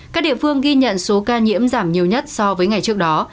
các địa phương ghi nhận số ca nhiễm giảm nhiều nhất so với ngày trước đó